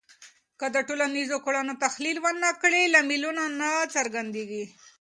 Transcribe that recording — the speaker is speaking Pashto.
که د ټولنیزو کړنو تحلیل ونه کړې، لاملونه نه څرګندېږي.